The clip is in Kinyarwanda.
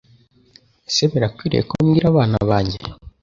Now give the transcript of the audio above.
ese birakwiriye ko mbwira abana banjye